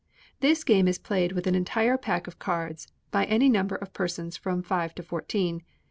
This game is played with an entire pack of cards, by any number of persons from five to fourteen.